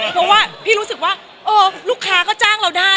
เพราะว่าพี่รู้สึกว่าเออลูกค้าก็จ้างเราได้